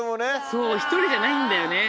そう１人じゃないんだよね。